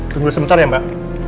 tunggu sebentar ya mbak